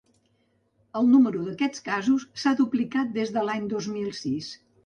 El número d’aquests casos s’ha duplicat des de l’any dos mil sis.